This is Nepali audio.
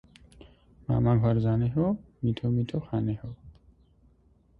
मामाघर जाने हो, मीठो–मीठो खाने हो ।